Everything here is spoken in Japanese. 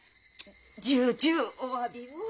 重々おわびを。